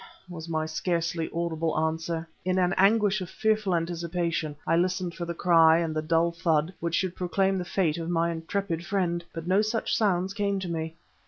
was my scarcely audible answer. In a anguish of fearful anticipation I listened for the cry and the dull thud which should proclaim the fate of my intrepid friend; but no such sounds came to me.